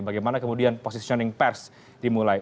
bagaimana kemudian positioning pers dimulai